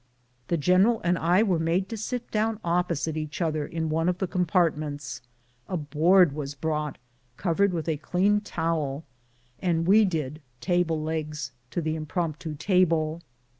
The general and I were made to sit down opposite each other in one of the compartments. A board was brought, covered with a clean towel, and we did table legs to this impromptu table.